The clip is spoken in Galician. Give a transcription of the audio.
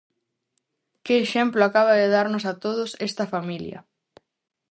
Que exemplo acaba de darnos a todos esta familia!